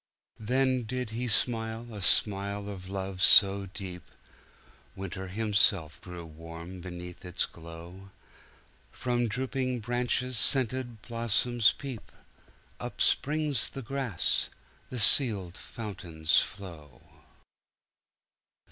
Then did he smile a smile of love so deep, Winter himself grew warm beneath its glow; From drooping branches scented blossoms peep; Up springs the grass; the sealed fountains flow.